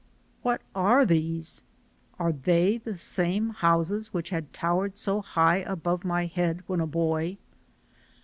What are these? Are they the same houses which had towered so high above my head when a boy?